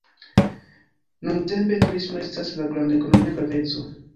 Nuntempe turismo estas de granda ekonomia graveco.